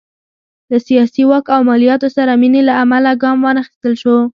له سیاسي واک او مالیاتو سره مینې له امله ګام وانخیستل شو.